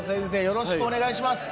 よろしくお願いします。